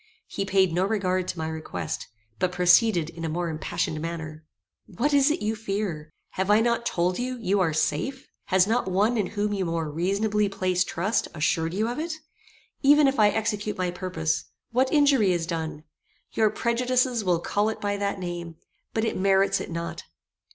He paid no regard to my request, but proceeded in a more impassioned manner. "What is it you fear? Have I not told you, you are safe? Has not one in whom you more reasonably place trust assured you of it? Even if I execute my purpose, what injury is done? Your prejudices will call it by that name, but it merits it not.